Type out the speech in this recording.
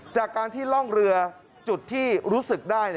จากการที่ล่องเรือจุดที่รู้สึกได้